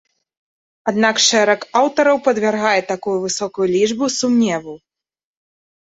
Аднак шэраг аўтараў падвяргае такую высокую лічбу сумневу.